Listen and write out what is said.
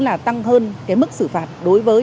là tăng hơn cái mức xử phạt đối với